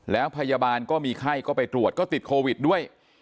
แล้วพยาบาลก็มีไข้ก็ไปตรวจก็ติดโควิดด้วย